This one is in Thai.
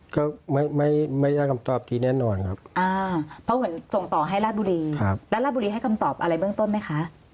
ก็ไม่ได้คำตอบที่แน่นอนครับเพราะเหมือนส่งต่อให้ราชบุรีราชบุรีให้คำตอบอะไรเบื้องต้นไหมคะ